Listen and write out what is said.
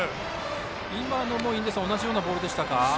今のも同じようなボールでしたか。